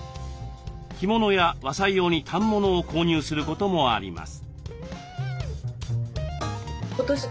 着物や和裁用に反物を購入することもあります。